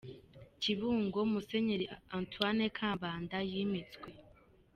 Kibungo : Musenyeri Antoine Kambanda yimitswe.